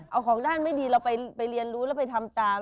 เอาของด้านไม่ดีเราไปเรียนรู้แล้วไปทำตาม